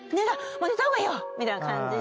寝た方がいいよみたいな感じで。